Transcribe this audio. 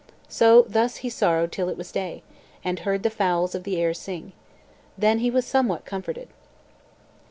So thus he sorrowed till it was day, and heard the fowls of the air sing. Then was he somewhat comforted.